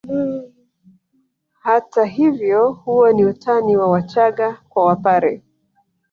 Hata hivyo huo ni utani wa Wachaga kwa Wapare